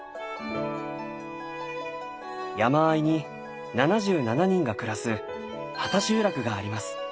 山あいに７７人が暮らす畑集落があります。